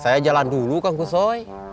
saya jalan dulu kang gusoi